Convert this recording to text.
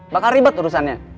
bakal ribet urusannya